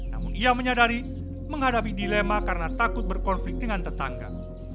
namun ia menyadari menghadapi dilema karena takut berkonflik dengan tetangga